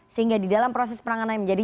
sehingga di dalam proses penanganan menjadi